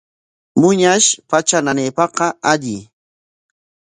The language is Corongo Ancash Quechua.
Muñash patra nanaypaqqa alli.